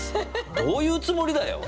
どういうつもりだよ。